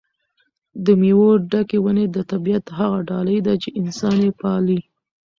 د مېوو ډکې ونې د طبیعت هغه ډالۍ ده چې انسان یې پالي.